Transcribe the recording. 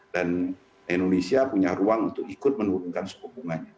dan indonesia punya ruang untuk ikut menurunkan suku bunganya